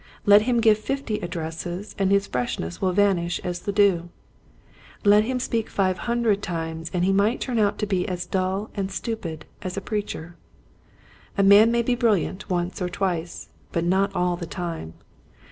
Let him give fifty addresses and his freshness will van ish as the dew. Let him speak five hun dred times and he might turn out to be as dull and stupid as a preacher. A man may be brilliant once or twice, but not all the time.